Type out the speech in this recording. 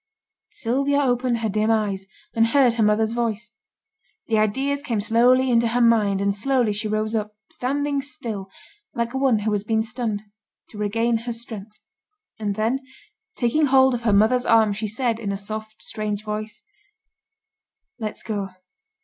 Sylvia opened her dim eyes, and heard her mother's voice; the ideas came slowly into her mind, and slowly she rose up, standing still, like one who has been stunned, to regain her strength; and then, taking hold of her mother's arm, she said, in a soft, strange voice 'Let's go.